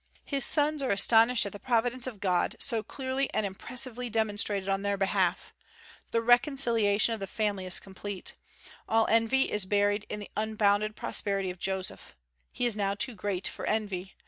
His sons are astonished at the providence of God, so clearly and impressively demonstrated on their behalf. The reconciliation of the family is complete. All envy is buried in the unbounded prosperity of Joseph. He is now too great for envy.